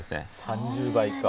３０倍か。